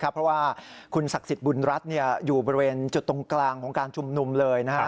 เพราะว่าคุณศักดิ์สิทธิ์บุญรัฐอยู่บริเวณจุดตรงกลางของการชุมนุมเลยนะครับ